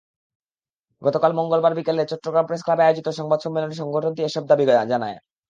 গতকাল মঙ্গলবার বিকেলে চট্টগ্রাম প্রেসক্লাবে আয়োজিত সংবাদ সম্মেলনে সংগঠনটি এসব দাবি জানায়।